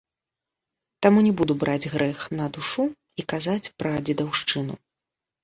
Таму не буду браць грэх на душу і казаць пра дзедаўшчыну.